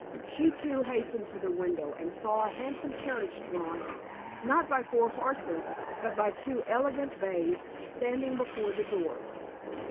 She, too, hastened to the window, and saw a handsome carriage drawn, not by four horses, but by two elegant bays, standing before the door.